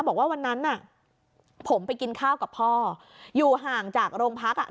บอกว่าวันนั้นน่ะผมไปกินข้าวกับพ่ออยู่ห่างจากโรงพักอ่ะ